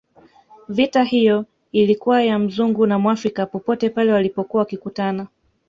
Vita iyo ilikuwa ya Mzungu na Mwafrika popote pale walipokuwa wakikutana